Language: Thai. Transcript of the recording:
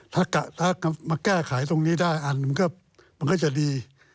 ถ้ามาแก้ไขตรงนี้ได้อันมันก็จะดี